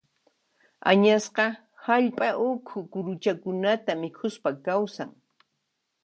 Añasqa hallp'a ukhu kuruchakunata mikhuspa kawsan.